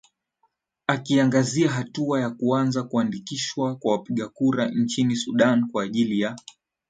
akiangazia hatua ya kuanza kuandikishwa kwa wapiga kura nchini sudan kwa ajili ya